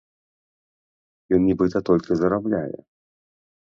Ён нібыта толькі зарабляе.